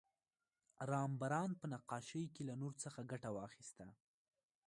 رامبراند په نقاشۍ کې له نور څخه ګټه واخیسته.